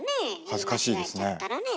恥ずかしいですね。